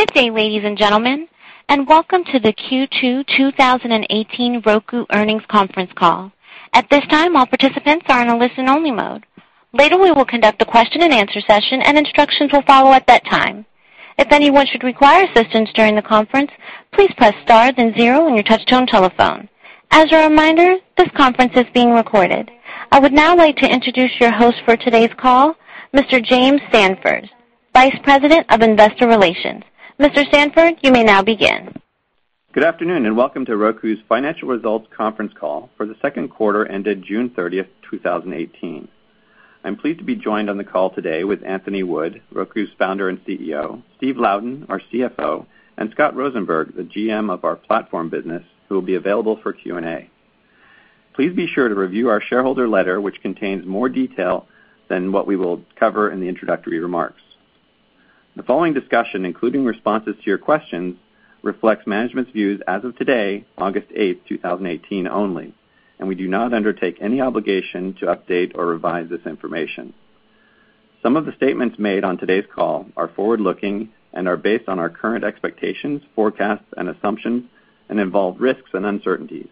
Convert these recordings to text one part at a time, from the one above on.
Good day, ladies and gentlemen, and welcome to the Q2 2018 Roku earnings conference call. At this time, all participants are in a listen-only mode. Later, we will conduct a question and answer session and instructions will follow at that time. If anyone should require assistance during the conference, please press star then zero on your touchtone telephone. As a reminder, this conference is being recorded. I would now like to introduce your host for today's call, Mr. James Samford, Vice President of Investor Relations. Mr. Samford, you may now begin. Good afternoon, and welcome to Roku's financial results conference call for the second quarter ended June 30th, 2018. I'm pleased to be joined on the call today with Anthony Wood, Roku's founder and CEO, Steve Louden, our CFO, and Scott Rosenberg, the GM of our platform business, who will be available for Q&A. Please be sure to review our shareholder letter, which contains more detail than what we will cover in the introductory remarks. The following discussion, including responses to your questions, reflects management's views as of today, August eighth, 2018, only, and we do not undertake any obligation to update or revise this information. Some of the statements made on today's call are forward-looking and are based on our current expectations, forecasts, and assumptions and involve risks and uncertainties.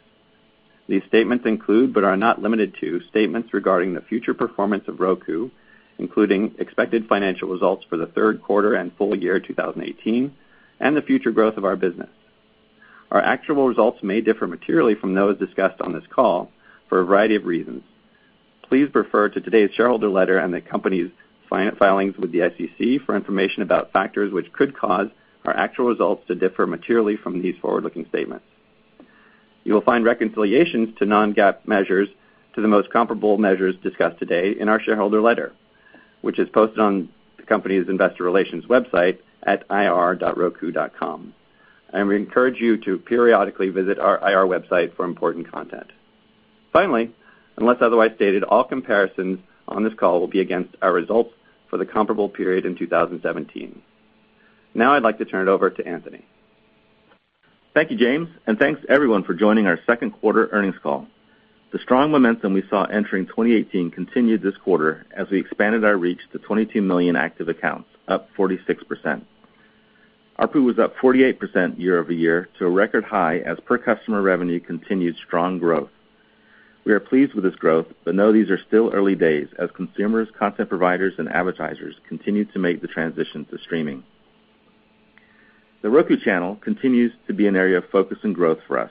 These statements include, but are not limited to, statements regarding the future performance of Roku, including expected financial results for the third quarter and full year 2018 and the future growth of our business. Our actual results may differ materially from those discussed on this call for a variety of reasons. Please refer to today's shareholder letter and the company's filings with the SEC for information about factors which could cause our actual results to differ materially from these forward-looking statements. You will find reconciliations to non-GAAP measures to the most comparable measures discussed today in our shareholder letter, which is posted on the company's investor relations website at ir.roku.com. We encourage you to periodically visit our IR website for important content. Finally, unless otherwise stated, all comparisons on this call will be against our results for the comparable period in 2017. I'd like to turn it over to Anthony. Thank you, James, and thanks, everyone, for joining our second quarter earnings call. The strong momentum we saw entering 2018 continued this quarter as we expanded our reach to 22 million active accounts, up 46%. ARPU was up 48% year-over-year to a record high as per customer revenue continued strong growth. We are pleased with this growth, but know these are still early days as consumers, content providers, and advertisers continue to make the transition to streaming. The Roku Channel continues to be an area of focus and growth for us.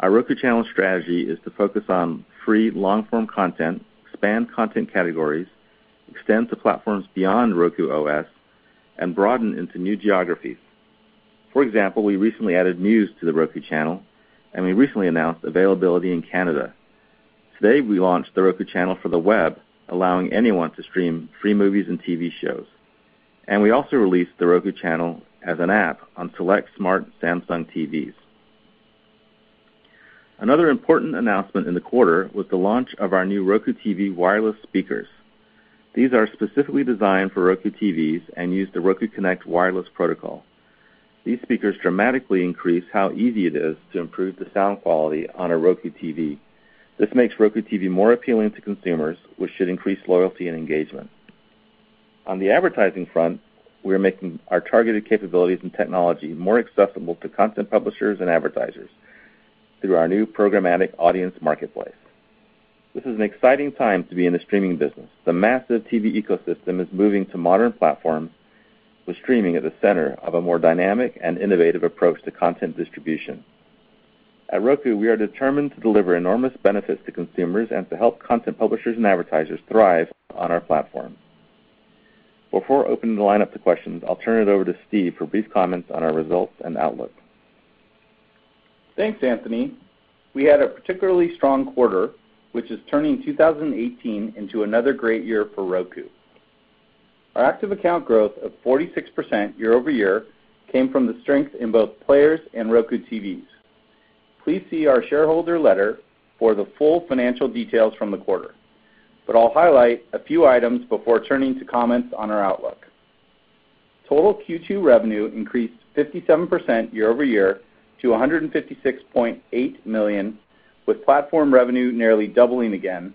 Our Roku Channel strategy is to focus on free long form content, expand content categories, extend to platforms beyond Roku OS, and broaden into new geographies. For example, we recently added news to The Roku Channel, and we recently announced availability in Canada. Today, we launched The Roku Channel for the web, allowing anyone to stream free movies and TV shows. We also released The Roku Channel as an app on select smart Samsung TVs. Another important announcement in the quarter was the launch of our new Roku TV Wireless Speakers. These are specifically designed for Roku TVs and use the Roku Connect wireless protocol. These speakers dramatically increase how easy it is to improve the sound quality on a Roku TV. This makes Roku TV more appealing to consumers, which should increase loyalty and engagement. On the advertising front, we are making our targeted capabilities and technology more accessible to content publishers and advertisers through our new programmatic Audience Marketplace. This is an exciting time to be in the streaming business. The massive TV ecosystem is moving to modern platforms with streaming at the center of a more dynamic and innovative approach to content distribution. At Roku, we are determined to deliver enormous benefits to consumers and to help content publishers and advertisers thrive on our platform. Before opening the line up to questions, I'll turn it over to Steve for brief comments on our results and outlook. Thanks, Anthony. We had a particularly strong quarter, which is turning 2018 into another great year for Roku. Our active account growth of 46% year-over-year came from the strength in both players and Roku TVs. Please see our shareholder letter for the full financial details from the quarter, but I'll highlight a few items before turning to comments on our outlook. Total Q2 revenue increased 57% year-over-year to $156.8 million, with platform revenue nearly doubling again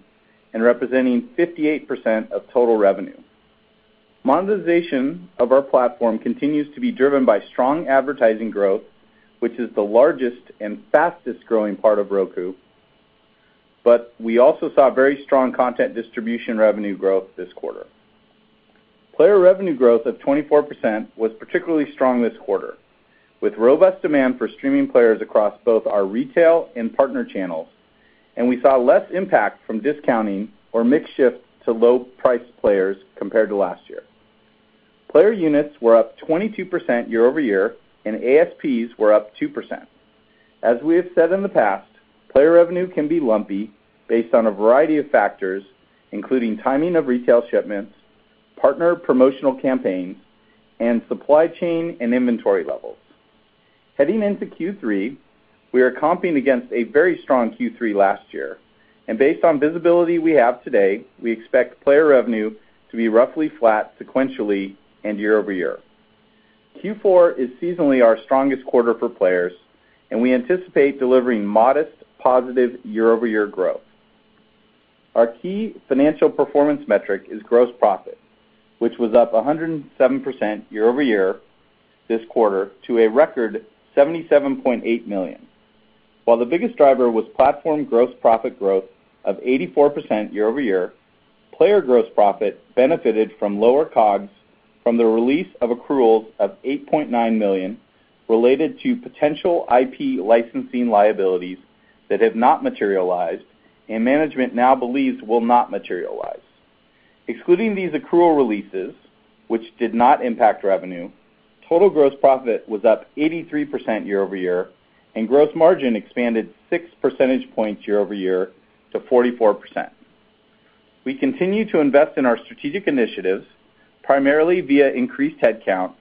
and representing 58% of total revenue. Monetization of our platform continues to be driven by strong advertising growth, which is the largest and fastest-growing part of Roku, but we also saw very strong content distribution revenue growth this quarter. Player revenue growth of 24% was particularly strong this quarter, with robust demand for streaming players across both our retail and partner channels, and we saw less impact from discounting or mix shift to low price players compared to last year. Player units were up 22% year-over-year, and ASPs were up 2%. As we have said in the past, player revenue can be lumpy based on a variety of factors, including timing of retail shipments, partner promotional campaigns, and supply chain and inventory levels. Heading into Q3, we are comping against a very strong Q3 last year, and based on visibility we have today, we expect player revenue to be roughly flat sequentially and year-over-year. Q4 is seasonally our strongest quarter for players, and we anticipate delivering modest positive year-over-year growth. Our key financial performance metric is gross profit, which was up 107% year-over-year this quarter to a record $77.8 million. While the biggest driver was platform gross profit growth of 84% year-over-year, player gross profit benefited from lower COGS from the release of accruals of $8.9 million related to potential IP licensing liabilities that have not materialized and management now believes will not materialize. Excluding these accrual releases, which did not impact revenue, total gross profit was up 83% year-over-year, and gross margin expanded six percentage points year-over-year to 44%. We continue to invest in our strategic initiatives, primarily via increased headcount,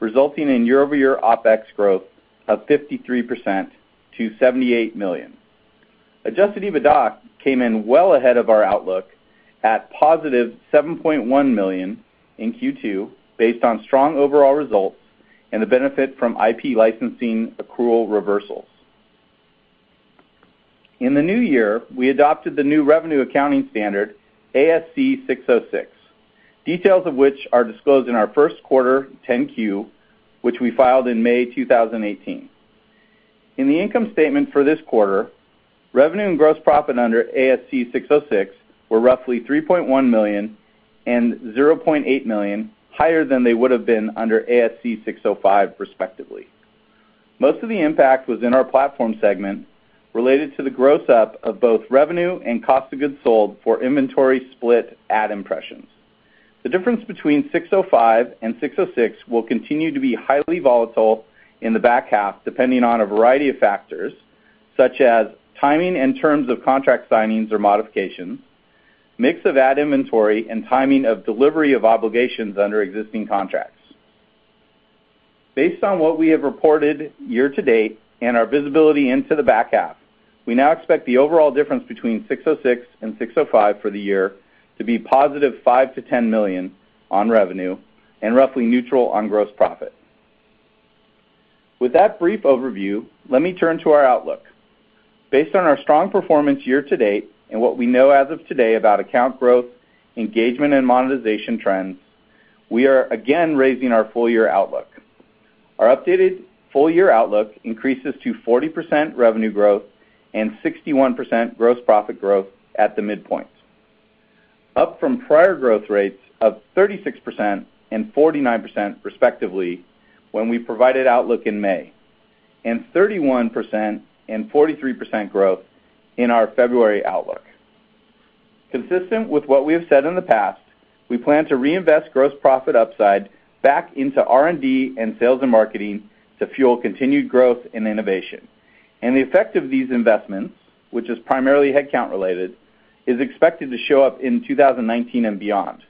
resulting in year-over-year OpEx growth of 53% to $78 million. Adjusted EBITDA came in well ahead of our outlook at positive $7.1 million in Q2, based on strong overall results and the benefit from IP licensing accrual reversals. In the new year, we adopted the new revenue accounting standard, ASC 606, details of which are disclosed in our first quarter 10-Q, which we filed in May 2018. In the income statement for this quarter, revenue and gross profit under ASC 606 were roughly $3.1 million and $0.8 million higher than they would have been under ASC 605, respectively. Most of the impact was in our platform segment, related to the gross up of both revenue and cost of goods sold for inventory split ad impressions. The difference between 605 and 606 will continue to be highly volatile in the back half, depending on a variety of factors, such as timing and terms of contract signings or modifications, mix of ad inventory, and timing of delivery of obligations under existing contracts. Based on what we have reported year-to-date and our visibility into the back half, we now expect the overall difference between 606 and 605 for the year to be positive $5 million-$10 million on revenue and roughly neutral on gross profit. With that brief overview, let me turn to our outlook. Based on our strong performance year-to-date and what we know as of today about account growth, engagement, and monetization trends, we are again raising our full-year outlook. Our updated full-year outlook increases to 40% revenue growth and 61% gross profit growth at the midpoint, up from prior growth rates of 36% and 49%, respectively, when we provided outlook in May, 31% and 43% growth in our February outlook. Consistent with what we have said in the past, we plan to reinvest gross profit upside back into R&D and sales and marketing to fuel continued growth and innovation. The effect of these investments, which is primarily headcount related, is expected to show up in 2019 and beyond.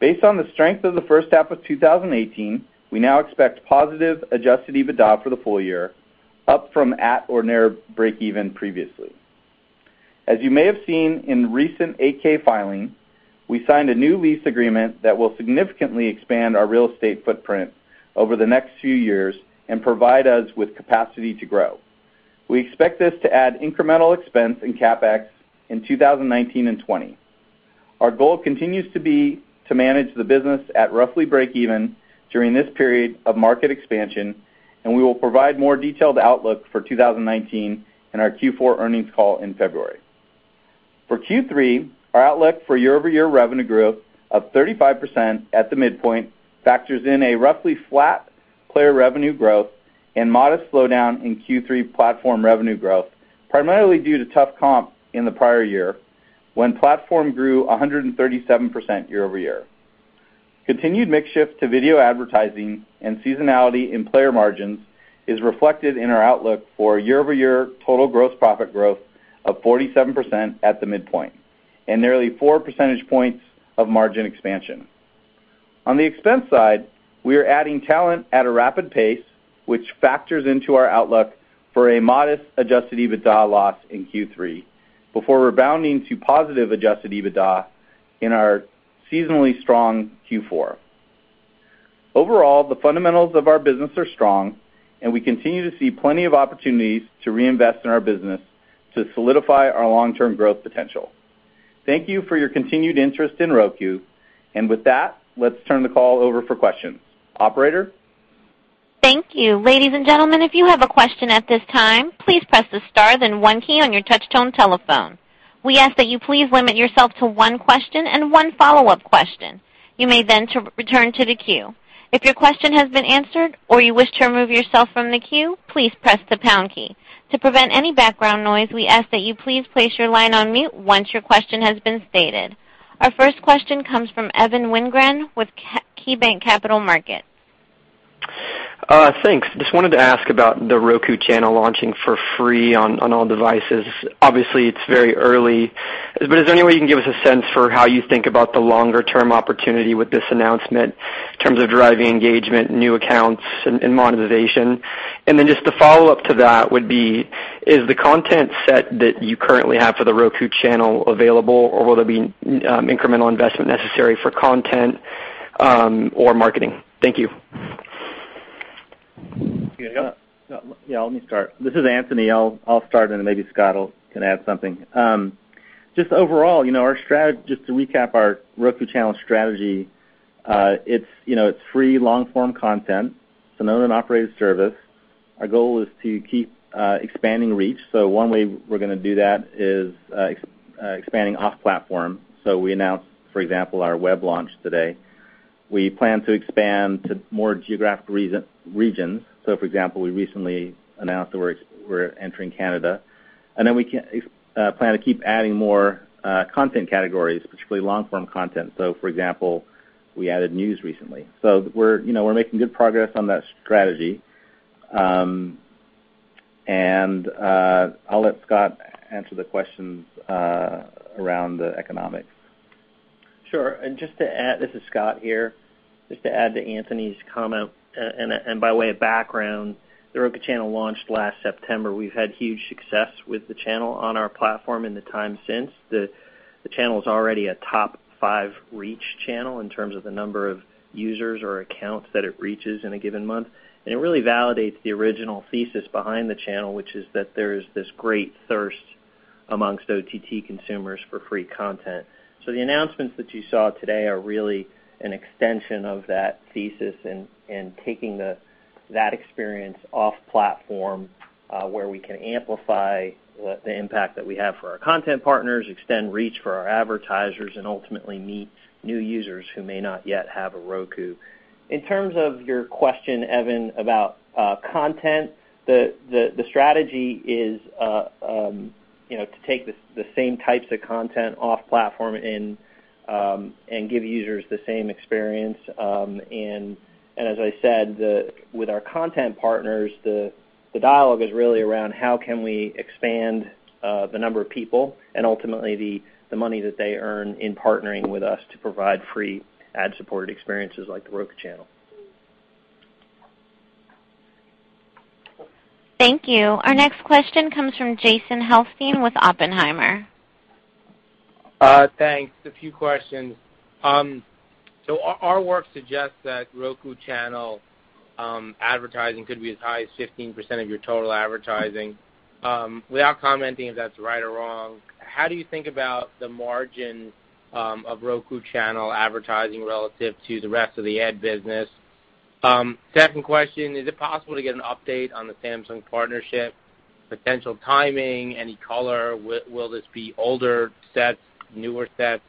Based on the strength of the first half of 2018, we now expect positive adjusted EBITDA for the full year, up from at or near breakeven previously. As you may have seen in recent 8-K filing, we signed a new lease agreement that will significantly expand our real estate footprint over the next few years and provide us with capacity to grow. We expect this to add incremental expense in CapEx in 2019 and 2020. Our goal continues to be to manage the business at roughly breakeven during this period of market expansion. We will provide more detailed outlook for 2019 in our Q4 earnings call in February. For Q3, our outlook for year-over-year revenue growth of 35% at the midpoint factors in a roughly flat player revenue growth and modest slowdown in Q3 platform revenue growth, primarily due to tough comp in the prior year, when platform grew 137% year-over-year. Continued mix shift to video advertising and seasonality in player margins is reflected in our outlook for year-over-year total gross profit growth of 47% at the midpoint, nearly four percentage points of margin expansion. On the expense side, we are adding talent at a rapid pace, which factors into our outlook for a modest adjusted EBITDA loss in Q3, before rebounding to positive adjusted EBITDA in our seasonally strong Q4. Overall, the fundamentals of our business are strong. We continue to see plenty of opportunities to reinvest in our business to solidify our long-term growth potential. Thank you for your continued interest in Roku. With that, let's turn the call over for questions. Operator? Thank you. Ladies and gentlemen, if you have a question at this time, please press the star then one key on your touch tone telephone. We ask that you please limit yourself to one question and one follow-up question. You may then return to the queue. If your question has been answered or you wish to remove yourself from the queue, please press the pound key. To prevent any background noise, we ask that you please place your line on mute once your question has been stated. Our first question comes from Evan Wingren with KeyBanc Capital Markets. Thanks. Just wanted to ask about The Roku Channel launching for free on all devices. Obviously, it's very early, but is there any way you can give us a sense for how you think about the longer-term opportunity with this announcement in terms of driving engagement, new accounts, and monetization? Just the follow-up to that would be, is the content set that you currently have for The Roku Channel available, or will there be incremental investment necessary for content or marketing? Thank you. You want to go? Yeah, let me start. This is Anthony. I'll start, maybe Scott can add something. Just overall, just to recap our Roku Channel strategy, it's free long-form content. It's an owned and operated service. Our goal is to keep expanding reach. One way we're going to do that is expanding off-platform. We announced, for example, our web launch today. We plan to expand to more geographic regions. For example, we recently announced that we're entering Canada. We plan to keep adding more content categories, particularly long-form content. For example, we added news recently. We're making good progress on that strategy. I'll let Scott answer the questions around the economics. Sure. This is Scott here. Just to add to Anthony's comment, by way of background, The Roku Channel launched last September. We've had huge success with the channel on our platform in the time since. The channel's already a top five reach channel in terms of the number of users or accounts that it reaches in a given month. It really validates the original thesis behind the channel, which is that there's this great thirst amongst OTT consumers for free content. The announcements that you saw today are really an extension of that thesis and taking that experience off-platform where we can amplify the impact that we have for our content partners, extend reach for our advertisers, and ultimately meet new users who may not yet have a Roku. In terms of your question, Evan, about content, the strategy is to take the same types of content off-platform and give users the same experience. As I said, with our content partners, the dialogue is really around how can we expand the number of people and ultimately the money that they earn in partnering with us to provide free ad-supported experiences like The Roku Channel. Thank you. Our next question comes from Jason Helfstein with Oppenheimer. Thanks. A few questions. Our work suggests that Roku Channel advertising could be as high as 15% of your total advertising. Without commenting if that's right or wrong, how do you think about the margin of Roku Channel advertising relative to the rest of the ad business? Second question, is it possible to get an update on the Samsung partnership, potential timing, any color? Will this be older sets, newer sets?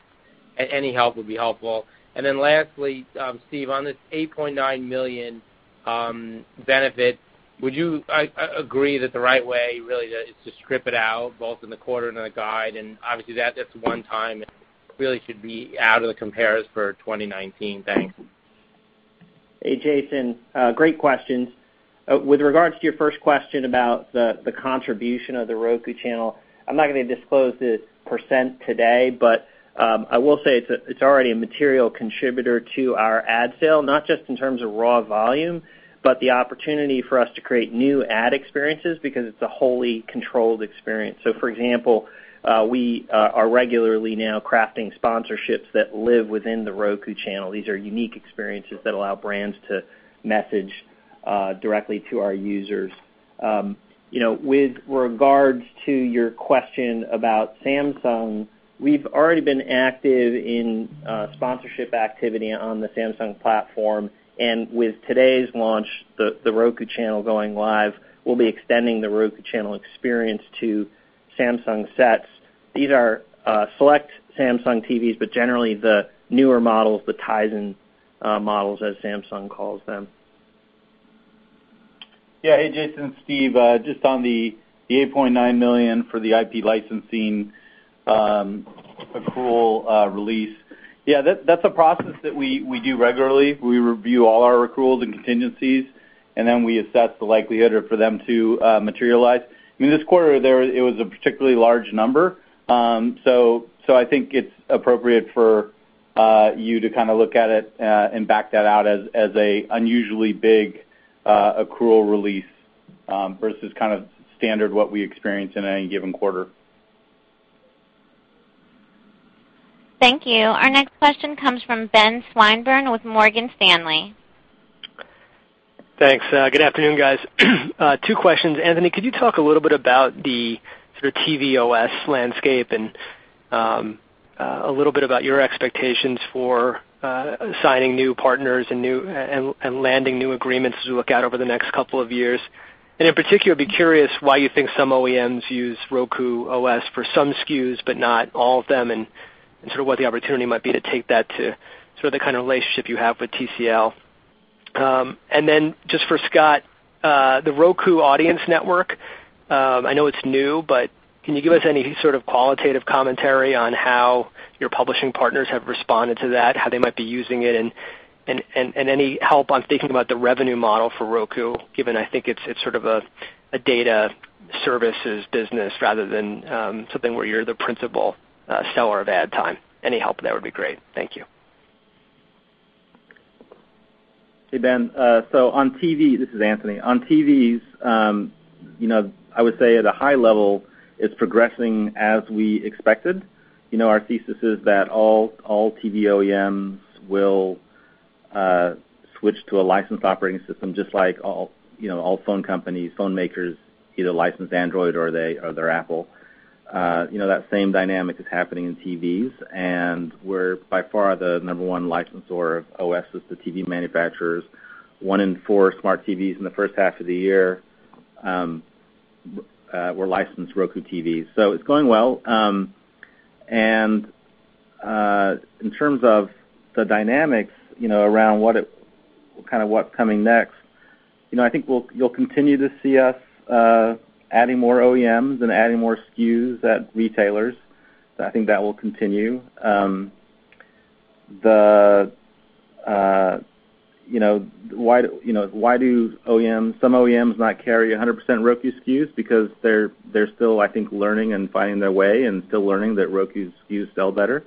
Any help would be helpful. Then lastly, Steve, on this $8.9 million benefit, would you agree that the right way really is to strip it out, both in the quarter and in the guide? Obviously, that's one time, and really should be out of the compares for 2019. Thanks. Hey, Jason. Great questions. With regards to your first question about the contribution of The Roku Channel, I'm not going to disclose the percent today, but I will say it's already a material contributor to our ad sale, not just in terms of raw volume, but the opportunity for us to create new ad experiences because it's a wholly controlled experience. For example, we are regularly now crafting sponsorships that live within The Roku Channel. These are unique experiences that allow brands to message directly to our users. With regards to your question about Samsung, we've already been active in sponsorship activity on the Samsung platform, with today's launch, The Roku Channel going live, we'll be extending The Roku Channel experience to Samsung sets. These are select Samsung TVs, but generally the newer models, the Tizen models, as Samsung calls them. Yeah. Hey, Jason, Steve, just on the $8.9 million for the IP licensing accrual release. That's a process that we do regularly. We review all our accruals and contingencies, and then we assess the likelihood for them to materialize. In this quarter, it was a particularly large number. I think it's appropriate for you to look at it and back that out as an unusually big accrual release versus standard what we experience in any given quarter. Thank you. Our next question comes from Benjamin Swinburne with Morgan Stanley. Thanks. Good afternoon, guys. Two questions. Anthony, could you talk a little bit about the TV OS landscape and a little bit about your expectations for signing new partners and landing new agreements as we look out over the next couple of years? In particular, I'd be curious why you think some OEMs use Roku OS for some SKUs, but not all of them, and what the opportunity might be to take that to the kind of relationship you have with TCL. Just for Scott, the Roku Audience Marketplace, I know it's new, but can you give us any sort of qualitative commentary on how your publishing partners have responded to that, how they might be using it, and any help on thinking about the revenue model for Roku, given I think it's sort of a data services business rather than something where you're the principal seller of ad time. Any help with that would be great. Thank you. Hey, Ben. This is Anthony. On TVs I would say at a high level, it's progressing as we expected. Our thesis is that all TV OEMs will switch to a licensed operating system, just like all phone companies, phone makers either license Android or they're Apple. That same dynamic is happening in TVs, and we're by far the number one licensor of OSs to TV manufacturers. One in four smart TVs in the first half of the year were licensed Roku TVs. It's going well. In terms of the dynamics around what's coming next, I think you'll continue to see us adding more OEMs and adding more SKUs at retailers. I think that will continue. Why do some OEMs not carry 100% Roku SKUs? Because they're still, I think, learning and finding their way and still learning that Roku SKUs sell better.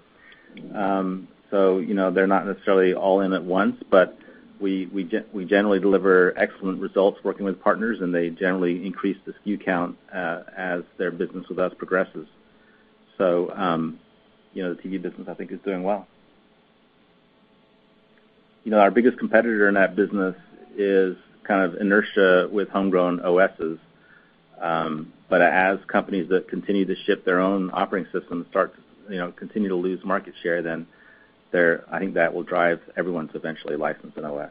They're not necessarily all in at once, but we generally deliver excellent results working with partners, and they generally increase the SKU count as their business with us progresses. The TV business, I think, is doing well. Our biggest competitor in that business is kind of inertia with homegrown OSs. As companies that continue to ship their own operating system continue to lose market share, then I think that will drive everyone to eventually license an OS.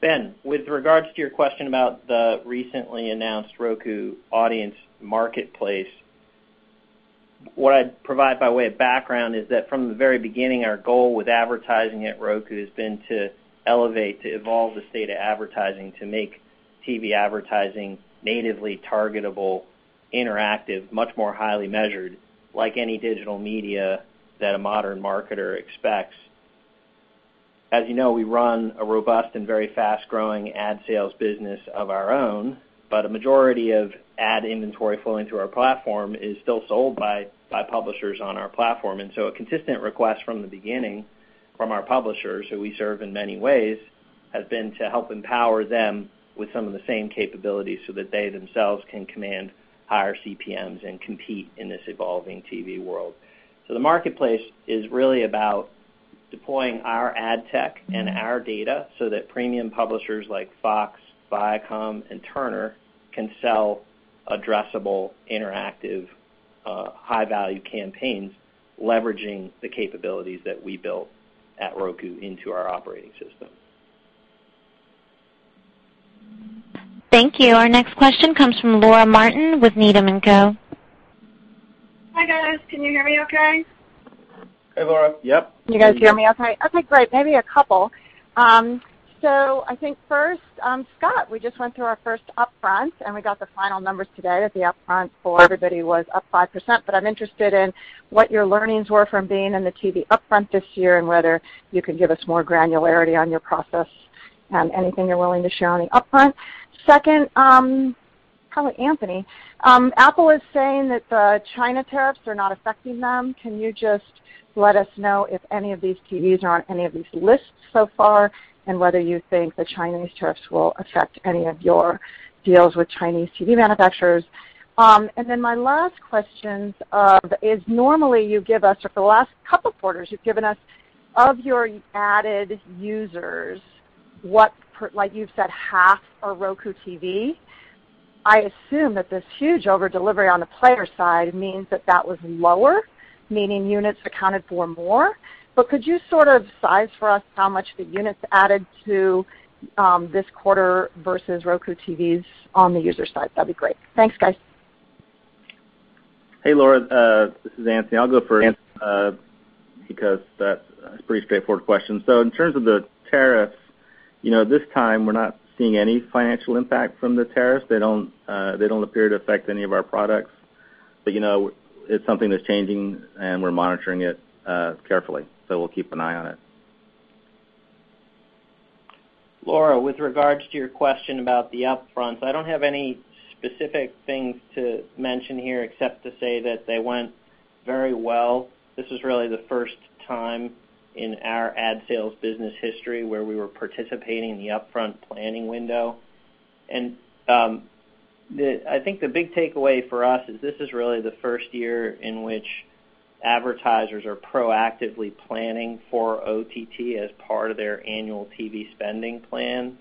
Ben, with regards to your question about the recently announced Roku Audience Marketplace, what I'd provide by way of background is that from the very beginning, our goal with advertising at Roku has been to elevate, to evolve the state of advertising, to make TV advertising natively targetable, interactive, much more highly measured, like any digital media that a modern marketer expects. As you know, we run a robust and very fast-growing ad sales business of our own, but a majority of ad inventory flowing through our platform is still sold by publishers on our platform. A consistent request from the beginning from our publishers, who we serve in many ways, has been to help empower them with some of the same capabilities so that they themselves can command higher CPMs and compete in this evolving TV world. The marketplace is really about deploying our ad tech and our data so that premium publishers like Fox, Viacom, and Turner can sell addressable, interactive, high-value campaigns leveraging the capabilities that we built at Roku into our operating system. Thank you. Our next question comes from Laura Martin with Needham & Company. Hi, guys. Can you hear me okay? Hey, Laura. Yep. You guys hear me okay? Okay, great. Maybe a couple. I think first, Scott, we just went through our first upfront, and we got the final numbers today that the upfront for everybody was up 5%. I'm interested in what your learnings were from being in the TV upfront this year and whether you could give us more granularity on your process. Anything you're willing to share on the upfront. Second, probably Anthony. Apple is saying that the China tariffs are not affecting them. Can you just let us know if any of these TVs are on any of these lists so far, and whether you think the Chinese tariffs will affect any of your deals with Chinese TV manufacturers? My last question is normally you give us, or for the last couple of quarters, you've given us of your added users, you've said half are Roku TV. I assume that this huge over-delivery on the player side means that that was lower, meaning units accounted for more. Could you sort of size for us how much the units added to this quarter versus Roku TVs on the user side? That'd be great. Thanks, guys. Hey, Laura. This is Anthony. I'll go first because that's a pretty straightforward question. In terms of the tariffs, at this time, we're not seeing any financial impact from the tariffs. They don't appear to affect any of our products. It's something that's changing, and we're monitoring it carefully. We'll keep an eye on it. Laura, with regards to your question about the upfronts, I don't have any specific things to mention here except to say that they went very well. This is really the first time in our ad sales business history where we were participating in the upfront planning window. I think the big takeaway for us is this is really the first year in which advertisers are proactively planning for OTT as part of their annual TV spending plan.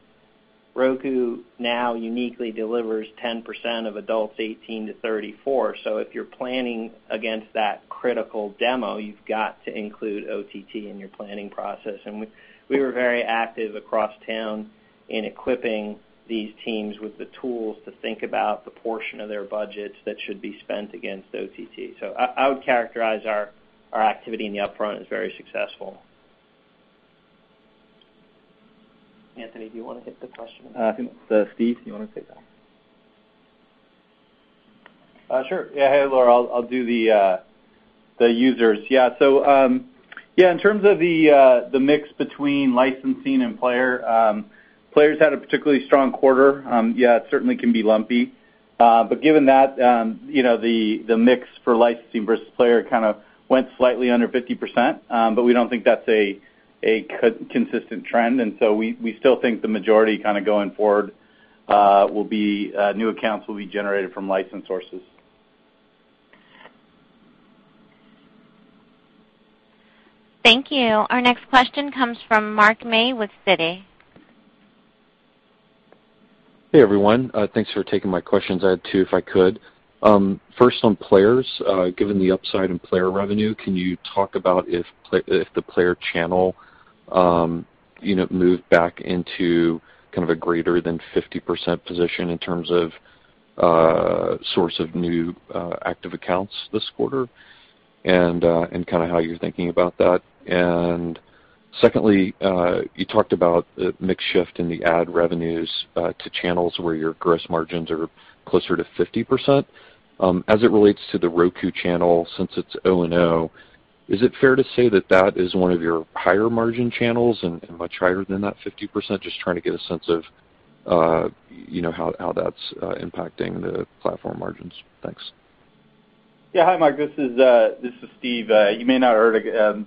Roku now uniquely delivers 10% of adults 18 to 34. If you're planning against that critical demo, you've got to include OTT in your planning process. We were very active across town in equipping these teams with the tools to think about the portion of their budgets that should be spent against OTT. I would characterize our activity in the upfront as very successful. Anthony, do you want to hit the question? I think, Steve, you want to take that? Sure. Yeah. Hey, Laura. I'll do the users. In terms of the mix between licensing and player, players had a particularly strong quarter. It certainly can be lumpy Given that, the mix for licensing versus player kind of went slightly under 50%, but we don't think that's a consistent trend. We still think the majority going forward will be new accounts will be generated from license sources. Thank you. Our next question comes from Mark May with Citi. Hey, everyone. Thanks for taking my questions. I had two, if I could. First, on players, given the upside in player revenue, can you talk about if the player channel moved back into kind of a greater than 50% position in terms of source of new active accounts this quarter, and how you're thinking about that? Secondly, you talked about the mix shift in the ad revenues to channels where your gross margins are closer to 50%. As it relates to The Roku Channel, since it's O&O, is it fair to say that that is one of your higher margin channels and much higher than that 50%? Just trying to get a sense of how that's impacting the platform margins. Thanks. Hi, Mark. This is Steve. You may not have heard,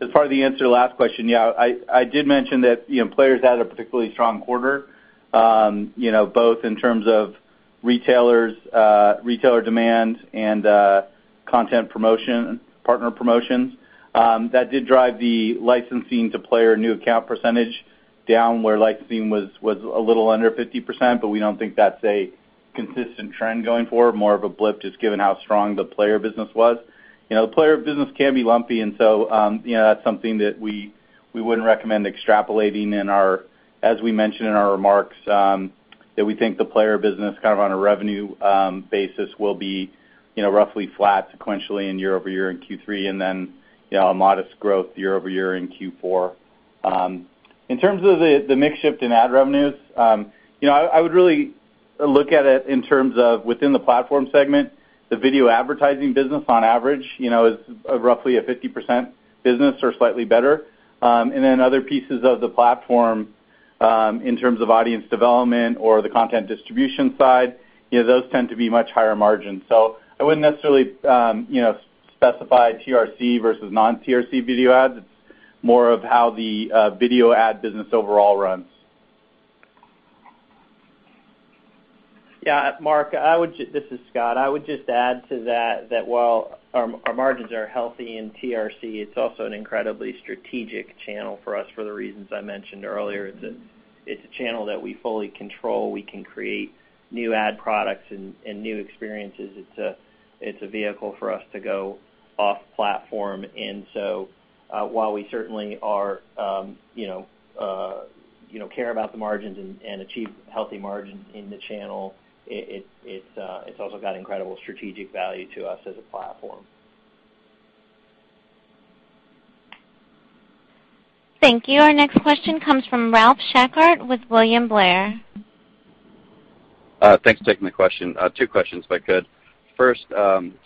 as part of the answer to the last question, I did mention that players had a particularly strong quarter, both in terms of retailer demand and partner promotions. That did drive the licensing to player new account percentage down, where licensing was a little under 50%, but we don't think that's a consistent trend going forward. More of a blip, just given how strong the player business was. The player business can be lumpy, that's something that we wouldn't recommend extrapolating. As we mentioned in our remarks, that we think the player business on a revenue basis will be roughly flat sequentially in year-over-year in Q3, and then a modest growth year-over-year in Q4. In terms of the mix shift in ad revenues, I would really look at it in terms of within the platform segment, the video advertising business on average, is roughly a 50% business or slightly better. Other pieces of the platform, in terms of audience development or the content distribution side, those tend to be much higher margin. I wouldn't necessarily specify TRC versus non-TRC video ads. It's more of how the video ad business overall runs. Mark. This is Scott. I would just add to that while our margins are healthy in TRC, it's also an incredibly strategic channel for us for the reasons I mentioned earlier. It's a channel that we fully control. We can create new ad products and new experiences. It's a vehicle for us to go off-platform. While we certainly care about the margins and achieve healthy margins in the channel, it's also got incredible strategic value to us as a platform. Thank you. Our next question comes from Ralph Schackart with William Blair. Thanks for taking my question. Two questions if I could. First,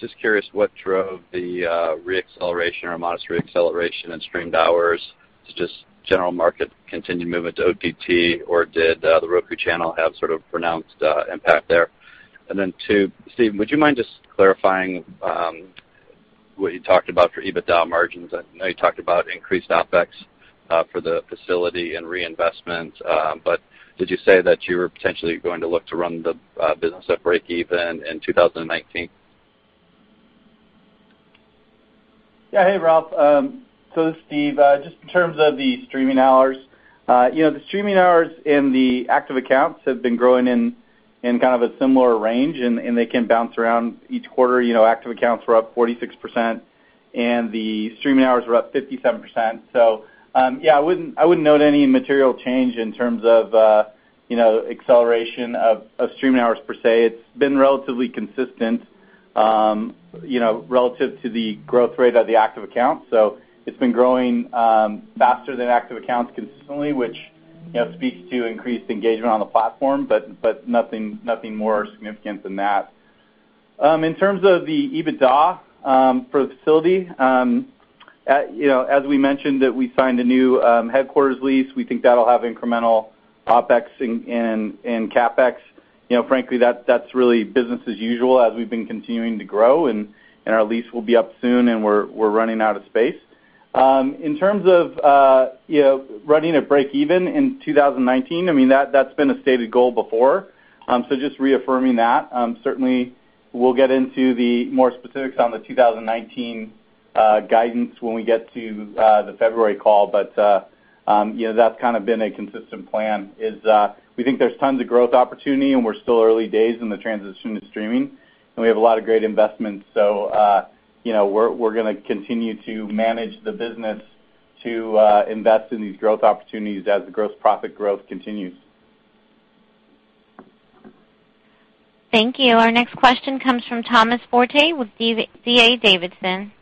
just curious what drove the re-acceleration or modest re-acceleration in streamed hours to just general market continued movement to OTT, or did The Roku Channel have sort of pronounced impact there? Two, Steve, would you mind just clarifying what you talked about for EBITDA margins? I know you talked about increased OpEx for the facility and reinvestment, but did you say that you were potentially going to look to run the business at breakeven in 2019? Yeah. Hey, Ralph. This is Steve. Just in terms of the streaming hours. The streaming hours and the active accounts have been growing in kind of a similar range, and they can bounce around each quarter. Active accounts were up 46%, and the streaming hours were up 57%. Yeah, I wouldn't note any material change in terms of acceleration of streaming hours per se. It's been relatively consistent relative to the growth rate of the active accounts. It's been growing faster than active accounts consistently, which speaks to increased engagement on the platform, but nothing more significant than that. In terms of the EBITDA for the facility, as we mentioned that we signed a new headquarters lease, we think that'll have incremental OpEx and CapEx. Frankly, that's really business as usual as we've been continuing to grow, and our lease will be up soon, and we're running out of space. In terms of running at breakeven in 2019, that's been a stated goal before. Just reaffirming that. Certainly, we'll get into the more specifics on the 2019 guidance when we get to the February call. That's kind of been a consistent plan, is we think there's tons of growth opportunity and we're still early days in the transition to streaming, and we have a lot of great investments. We're going to continue to manage the business to invest in these growth opportunities as the gross profit growth continues. Thank you. Our next question comes from Thomas Forte with D.A. Davidson.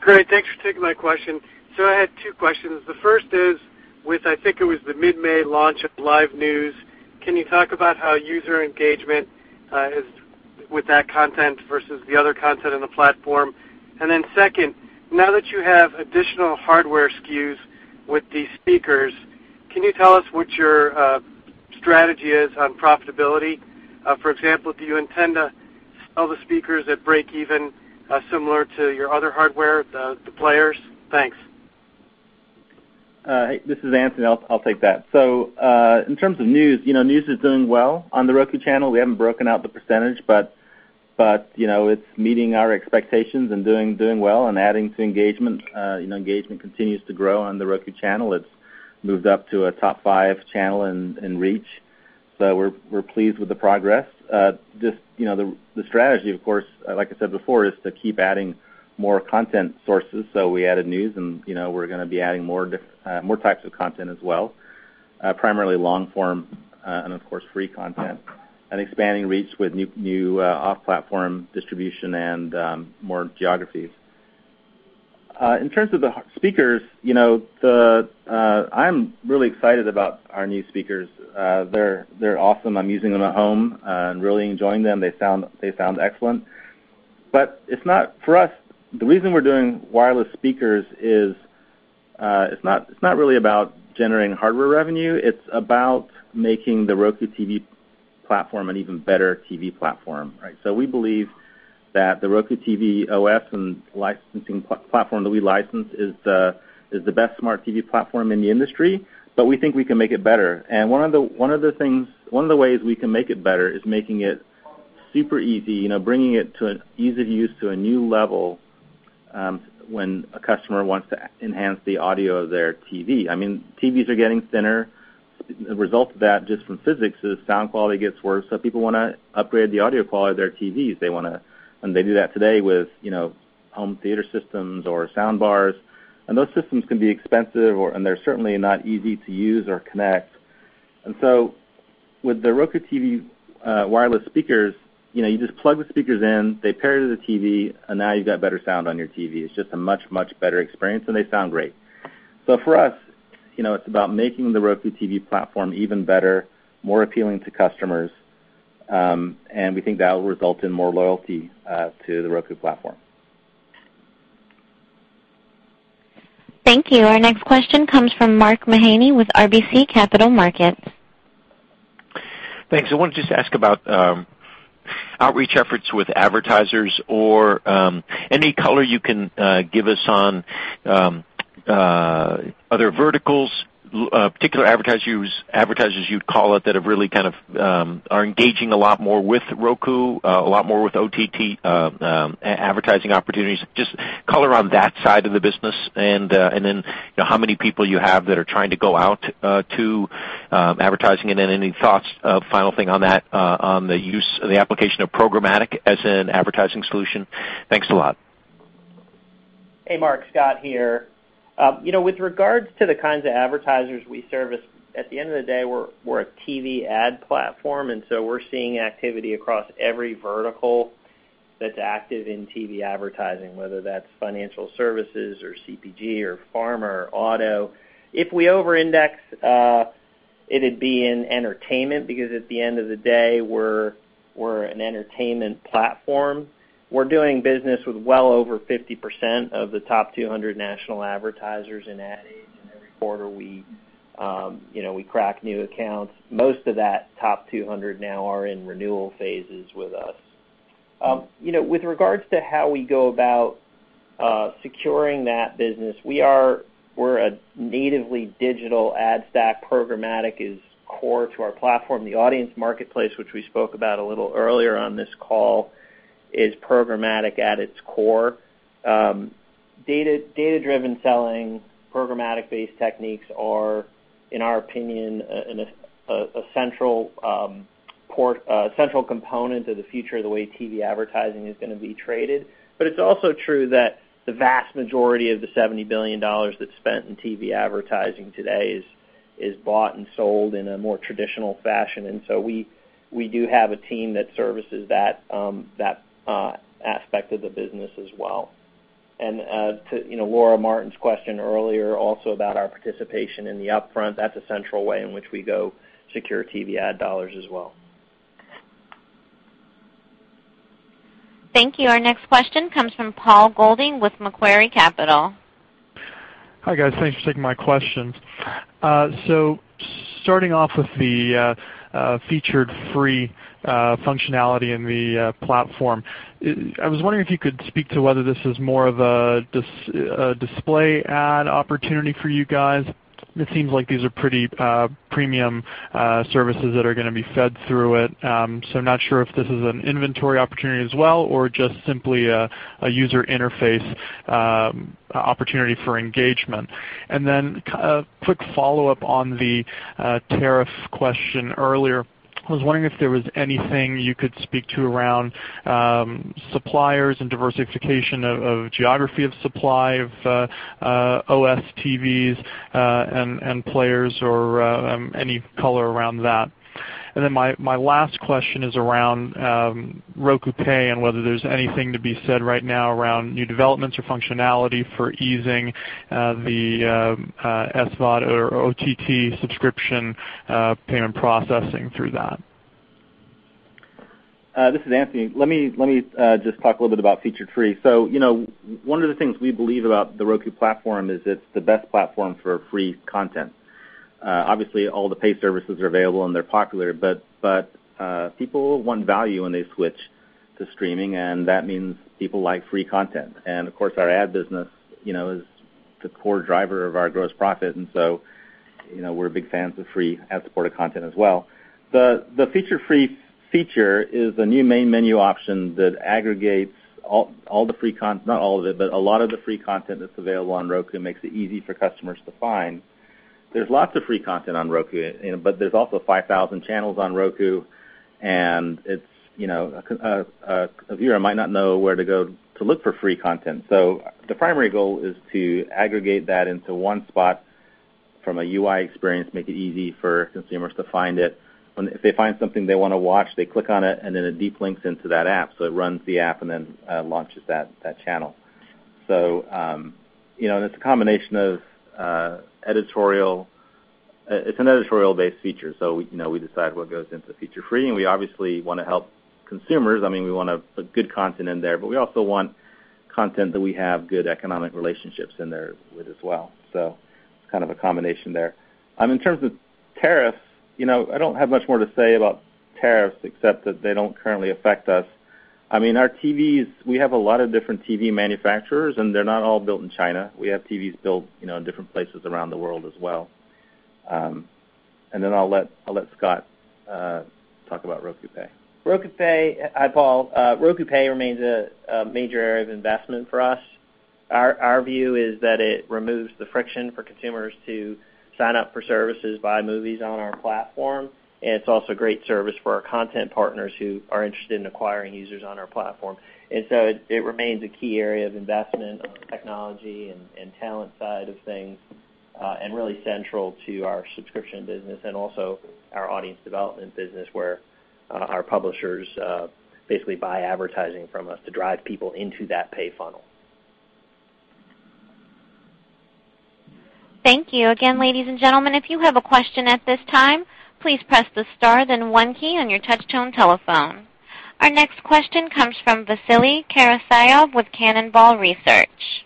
Great. Thanks for taking my question. I had two questions. The first is, with I think it was the mid-May launch of Live News, can you talk about how user engagement has with that content versus the other content in the platform. Second, now that you have additional hardware SKUs with these speakers, can you tell us what your strategy is on profitability? For example, do you intend to sell the speakers at break even similar to your other hardware, the players? Thanks. This is Anthony. I'll take that. In terms of news is doing well on The Roku Channel. We haven't broken out the percentage, but it's meeting our expectations and doing well and adding to engagement. Engagement continues to grow on The Roku Channel. It's moved up to a top 5 channel in reach. We're pleased with the progress. The strategy, of course, like I said before, is to keep adding more content sources. We added news, and we're going to be adding more types of content as well, primarily long-form, and of course, free content and expanding reach with new off-platform distribution and more geographies. In terms of the speakers, I'm really excited about our new speakers. They're awesome. I'm using them at home and really enjoying them. They sound excellent. For us, the reason we're doing wireless speakers is, it's not really about generating hardware revenue. It's about making The Roku TV platform an even better TV platform. We believe that The Roku TV OS and platform that we license is the best Smart TV platform in the industry, we think we can make it better. One of the ways we can make it better is making it super easy, bringing ease of use to a new level when a customer wants to enhance the audio of their TV. TVs are getting thinner. The result of that, just from physics, is sound quality gets worse, people want to upgrade the audio quality of their TVs. Those systems can be expensive, and they're certainly not easy to use or connect. With Roku TV Wireless Speakers, you just plug the speakers in, they pair to the TV, and now you've got better sound on your TV. It's just a much, much better experience, and they sound great. For us, it's about making Roku TV platform even better, more appealing to customers. We think that will result in more loyalty to Roku platform. Thank you. Our next question comes from Mark Mahaney with RBC Capital Markets. Thanks. I wanted to just ask about outreach efforts with advertisers or any color you can give us on other verticals, particular advertisers you'd call out that really kind of are engaging a lot more with Roku, a lot more with OTT advertising opportunities. Just color on that side of the business. How many people you have that are trying to go out to advertising. Any thoughts, a final thing on that, on the application of programmatic as an advertising solution. Thanks a lot. Hey, Mark. Scott here. With regards to the kinds of advertisers we service, at the end of the day, we're a TV ad platform. We're seeing activity across every vertical that's active in TV advertising, whether that's financial services or CPG or pharma or auto. If we over-index, it'd be in entertainment because at the end of the day, we're an entertainment platform. We're doing business with well over 50% of the top 200 national advertisers in Ad Age. Every quarter we crack new accounts. Most of that top 200 now are in renewal phases with us. With regards to how we go about securing that business, we're a natively digital ad stack. Programmatic is core to our platform. The Audience Marketplace, which we spoke about a little earlier on this call, is programmatic at its core. Data-driven selling, programmatic-based techniques are, in our opinion, a central component of the future of the way TV advertising is going to be traded. It's also true that the vast majority of the $70 billion that's spent in TV advertising today is bought and sold in a more traditional fashion. We do have a team that services that aspect of the business as well. To Laura Martin's question earlier also about our participation in the upfront, that's a central way in which we go secure TV ad dollars as well. Thank you. Our next question comes from Paul Golding with Macquarie Capital. Hi, guys. Thanks for taking my questions. Starting off with the Featured Free functionality in the platform, I was wondering if you could speak to whether this is more of a display ad opportunity for you guys. It seems like these are pretty premium services that are going to be fed through it. I'm not sure if this is an inventory opportunity as well or just simply a user interface opportunity for engagement. A quick follow-up on the tariff question earlier. I was wondering if there was anything you could speak to around suppliers and diversification of geography of supply of OS TVs and players or any color around that. My last question is around Roku Pay and whether there's anything to be said right now around new developments or functionality for easing the SVOD or OTT subscription payment processing through that. This is Anthony. Let me just talk a little bit about Featured Free. One of the things we believe about the Roku platform is it's the best platform for free content. Obviously, all the paid services are available and they're popular, but people want value when they switch to streaming, and that means people like free content. Of course, our ad business is the core driver of our gross profit, we're big fans of free ad-supported content as well. The Featured Free feature is a new main menu option that aggregates not all of it, but a lot of the free content that's available on Roku, and makes it easy for customers to find. There's lots of free content on Roku, but there's also 5,000 channels on Roku, and a viewer might not know where to go to look for free content. The primary goal is to aggregate that into one spot from a UI experience, make it easy for consumers to find it. If they find something they want to watch, they click on it, and then it deep links into that app, it runs the app and then launches that channel. It is an editorial-based feature, we decide what goes into Featured Free, and we obviously want to help consumers. We want to put good content in there, but we also want content that we have good economic relationships in there with as well. It is kind of a combination there. In terms of tariffs, I do not have much more to say about tariffs except that they do not currently affect us. Our TVs, we have a lot of different TV manufacturers, and they are not all built in China. We have TVs built in different places around the world as well. Then I will let Scott talk about Roku Pay. Roku Pay. Hi, Paul. Roku Pay remains a major area of investment for us. Our view is that it removes the friction for consumers to sign up for services, buy movies on our platform, and it is also a great service for our content partners who are interested in acquiring users on our platform. It remains a key area of investment on the technology and talent side of things, and really central to our subscription business and also our audience development business where our publishers basically buy advertising from us to drive people into that pay funnel. Thank you. Again, ladies and gentlemen, if you have a question at this time, please press the star then 1 key on your touchtone telephone. Our next question comes from Vasily Karasyov with Cannonball Research.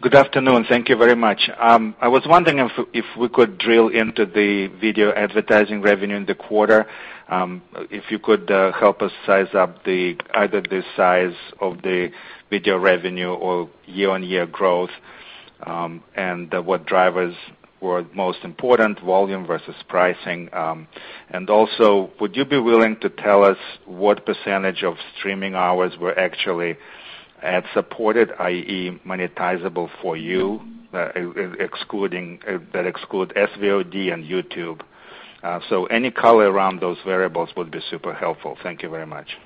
Good afternoon. Thank you very much. I was wondering if we could drill into the video advertising revenue in the quarter. If you could help us size up either the size of the video revenue or year-over-year growth, and what drivers were most important, volume versus pricing. Would you be willing to tell us what % of streaming hours were actually ad-supported, i.e., monetizable for you, that exclude SVOD and YouTube? Any color around those variables would be super helpful. Thank you very much.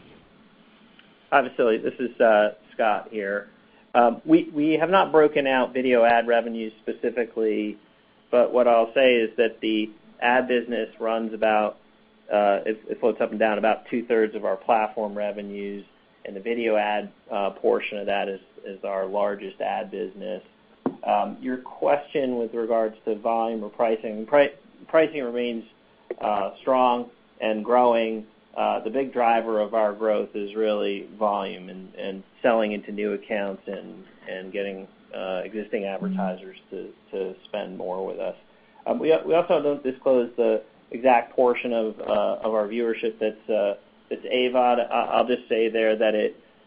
Hi, Vasily. This is Scott here. We have not broken out video ad revenues specifically, but what I'll say is that the ad business runs about, it floats up and down about two-thirds of our platform revenues, and the video ad portion of that is our largest ad business. Your question with regards to volume or pricing. Pricing remains strong and growing. The big driver of our growth is really volume and selling into new accounts and getting existing advertisers to spend more with us. We also don't disclose the exact portion of our viewership that's AVOD. I'll just say there that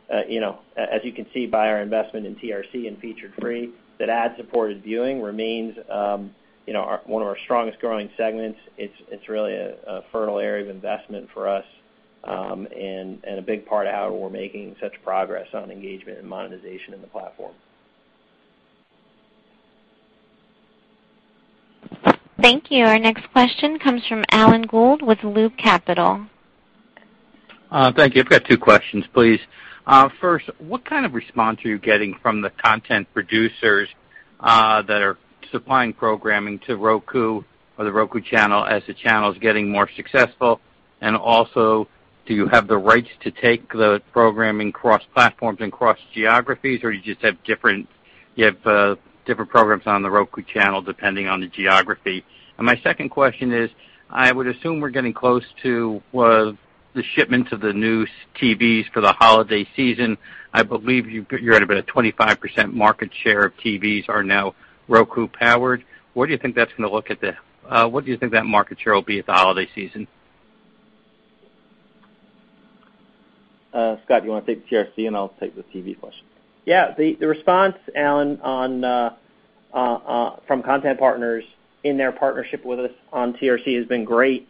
as you can see by our investment in TRC and Featured Free, that ad-supported viewing remains one of our strongest growing segments. It's really a fertile area of investment for us. A big part of how we're making such progress on engagement and monetization in the platform. Thank you. Our next question comes from Alan Gould with Loop Capital. Thank you. I've got two questions, please. First, what kind of response are you getting from the content producers that are supplying programming to Roku or The Roku Channel as the channel's getting more successful? Do you have the rights to take the programming cross-platforms and cross geographies, or you just have different programs on The Roku Channel depending on the geography? My second question is, I would assume we're getting close to the shipments of the new TVs for the holiday season. I believe you're at about a 25% market share of TVs are now Roku-powered. What do you think that market share will be at the holiday season? Scott, do you want to take the TRC, I'll take the TV question? Yeah. The response, Alan, from content partners in their partnership with us on TRC has been great.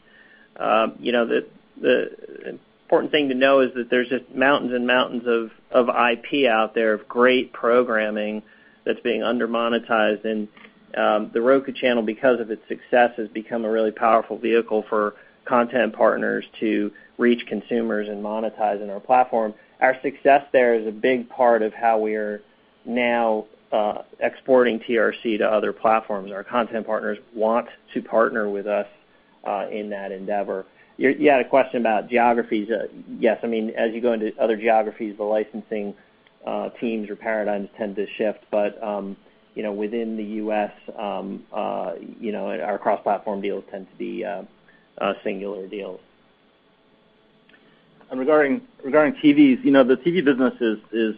The important thing to know is that there's just mountains and mountains of IP out there, of great programming that's being under-monetized. The Roku Channel, because of its success, has become a really powerful vehicle for content partners to reach consumers and monetize in our platform. Our success there is a big part of how we are now exporting TRC to other platforms. Our content partners want to partner with us in that endeavor. You had a question about geographies. Yes. As you go into other geographies, the licensing Teams or paradigms tend to shift, but within the U.S., our cross-platform deals tend to be singular deals. Regarding TVs, the TV business is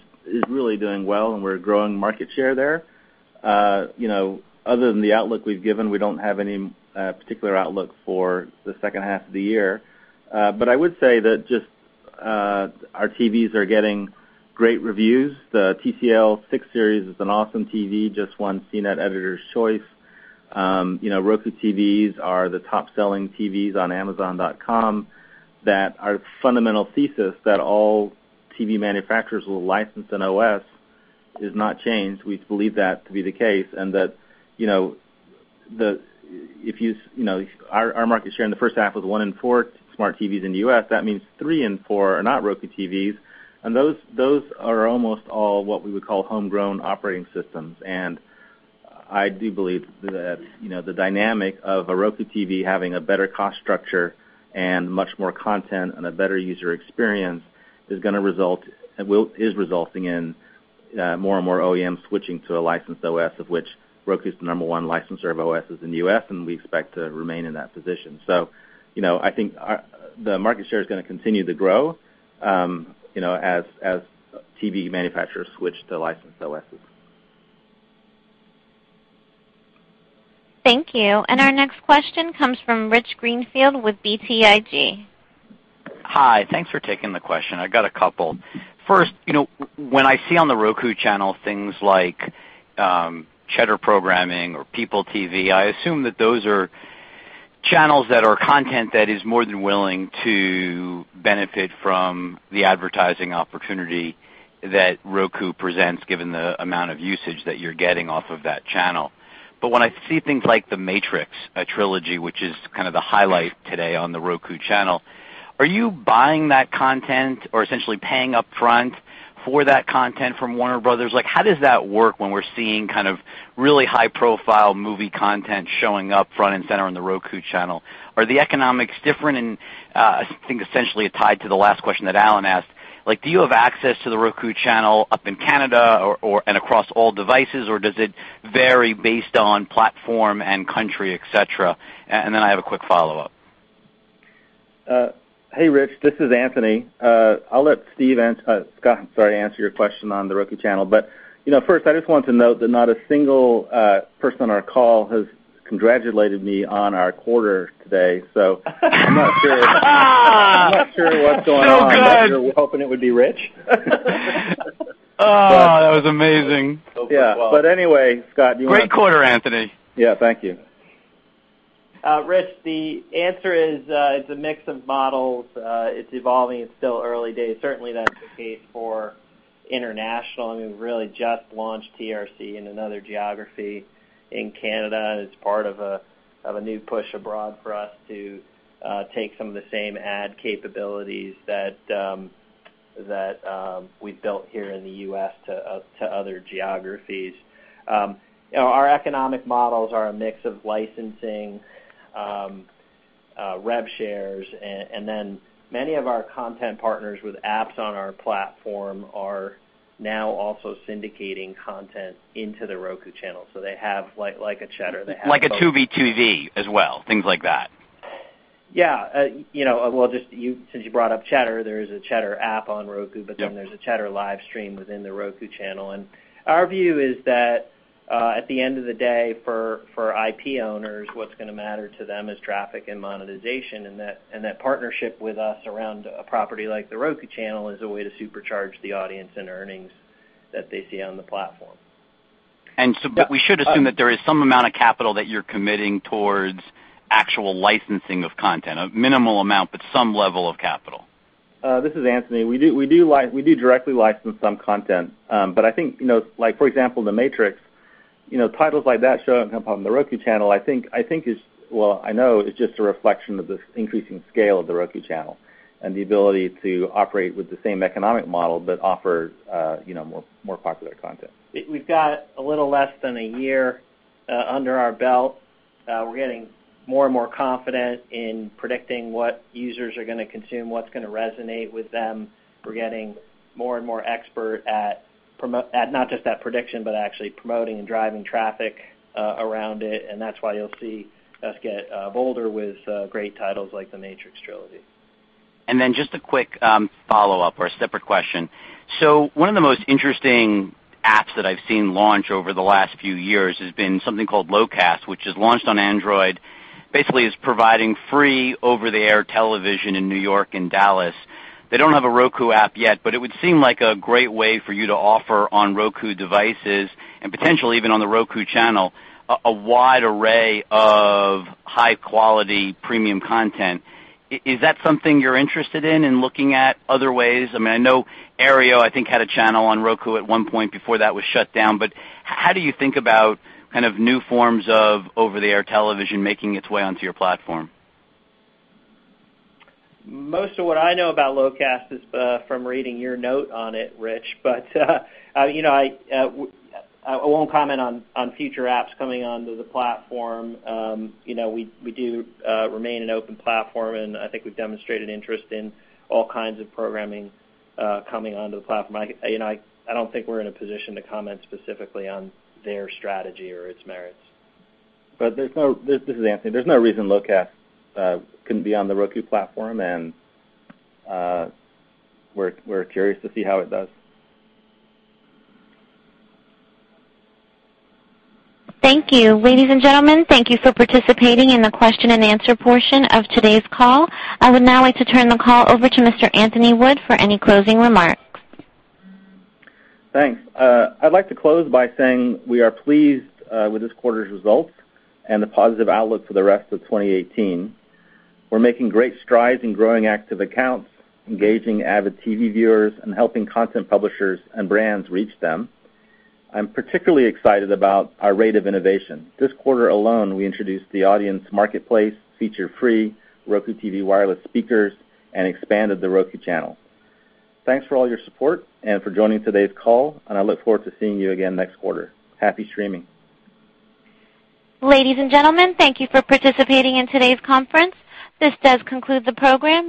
really doing well, and we're growing market share there. Other than the outlook we've given, we don't have any particular outlook for the second half of the year. I would say that just our TVs are getting great reviews. The TCL 6-Series is an awesome TV, just won CNET Editor's Choice. Roku TVs are the top-selling TVs on amazon.com. That our fundamental thesis that all TV manufacturers will license an OS is not changed. We believe that to be the case, that our market share in the first half was 1 in 4 smart TVs in the U.S. That means 3 in 4 are not Roku TVs. Those are almost all what we would call homegrown operating systems. I do believe that the dynamic of a Roku TV having a better cost structure and much more content and a better user experience is resulting in more and more OEMs switching to a licensed OS, of which Roku is the number one licensor of OSes in the U.S., and we expect to remain in that position. I think the market share is going to continue to grow as TV manufacturers switch to licensed OSes. Thank you. Our next question comes from Rich Greenfield with BTIG. Hi. Thanks for taking the question. I got a couple. First, when I see on The Roku Channel things like Cheddar programming or PeopleTV, I assume that those are channels that are content that is more than willing to benefit from the advertising opportunity that Roku presents, given the amount of usage that you're getting off of that channel. When I see things like "The Matrix," a trilogy, which is kind of the highlight today on The Roku Channel, are you buying that content or essentially paying upfront for that content from Warner Bros.? How does that work when we're seeing really high-profile movie content showing up front and center on The Roku Channel? Are the economics different? I think essentially tied to the last question that Alan asked, do you have access to The Roku Channel up in Canada or, and across all devices, or does it vary based on platform and country, et cetera? I have a quick follow-up. Hey, Rich. This is Anthony. I'll let Steve, Scott, I'm sorry, answer your question on The Roku Channel. First, I just want to note that not a single person on our call has congratulated me on our quarter today, so I'm not sure what's going on. Good. Hoping it would be Rich? That was amazing. Anyway, Scott, you want to. Great quarter, Anthony. Yeah. Thank you. Rich, the answer is, it's a mix of models. It's evolving. It's still early days. Certainly, that's the case for international, and we've really just launched TRC in another geography in Canada, and it's part of a new push abroad for us to take some of the same ad capabilities that we've built here in the U.S. to other geographies. Our economic models are a mix of licensing, rev shares, and then many of our content partners with apps on our platform are now also syndicating content into The Roku Channel. They have, like a Cheddar, they have- Like a Tubi as well, things like that. Yeah. Since you brought up Cheddar, there's a Cheddar app on Roku. Yep There's a Cheddar livestream within The Roku Channel. Our view is that at the end of the day, for IP owners, what's going to matter to them is traffic and monetization, and that partnership with us around a property like The Roku Channel is a way to supercharge the audience and earnings that they see on the platform. We should assume that there is some amount of capital that you're committing towards actual licensing of content, a minimal amount, but some level of capital. This is Anthony. We do directly license some content. I think, for example, "The Matrix," titles like that showing up on The Roku Channel, I think is, well, I know is just a reflection of the increasing scale of The Roku Channel and the ability to operate with the same economic model but offer more popular content. We've got a little less than a year under our belt. We're getting more and more confident in predicting what users are going to consume, what's going to resonate with them. We're getting more and more expert at not just at prediction, but actually promoting and driving traffic around it. That's why you'll see us get bolder with great titles like The Matrix trilogy. Just a quick follow-up or a separate question. One of the most interesting apps that I've seen launch over the last few years has been something called Locast, which has launched on Android, basically is providing free over-the-air television in New York and Dallas. They don't have a Roku app yet, it would seem like a great way for you to offer on Roku devices, and potentially even on The Roku Channel, a wide array of high-quality premium content. Is that something you're interested in looking at other ways? I know Aereo, I think, had a channel on Roku at one point before that was shut down, how do you think about kind of new forms of over-the-air television making its way onto your platform? Most of what I know about Locast is from reading your note on it, Rich. I won't comment on future apps coming onto the platform. We do remain an open platform, and I think we've demonstrated interest in all kinds of programming coming onto the platform. I don't think we're in a position to comment specifically on their strategy or its merits. There's no This is Anthony. There's no reason Locast couldn't be on the Roku platform, we're curious to see how it does. Thank you. Ladies and gentlemen, thank you for participating in the question-and-answer portion of today's call. I would now like to turn the call over to Mr. Anthony Wood for any closing remarks. Thanks. I'd like to close by saying we are pleased with this quarter's results and the positive outlook for the rest of 2018. We're making great strides in growing active accounts, engaging avid TV viewers, and helping content publishers and brands reach them. I'm particularly excited about our rate of innovation. This quarter alone, we introduced the Audience Marketplace, Featured Free, Roku TV Wireless Speakers, and expanded The Roku Channel. Thanks for all your support and for joining today's call, and I look forward to seeing you again next quarter. Happy streaming. Ladies and gentlemen, thank you for participating in today's conference. This does conclude the program.